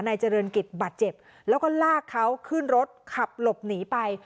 เจริญกิจบาดเจ็บแล้วก็ลากเขาขึ้นรถขับหลบหนีไป